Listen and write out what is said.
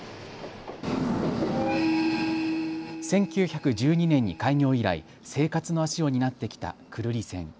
１９１２年に開業以来、生活の足を担ってきた久留里線。